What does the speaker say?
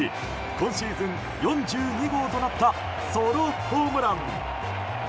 今シーズン４２号となったソロホームラン！